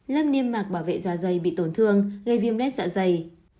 lắp niêm mạc bảo vệ dạ dày bị tổn thương gây viêm lết dạ dày